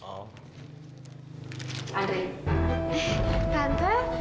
biarpun warungnya lagi rusak